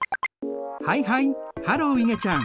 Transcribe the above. はいはいハローいげちゃん。